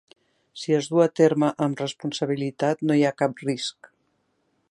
Si es du a terme amb responsabilitat, no hi ha cap risc.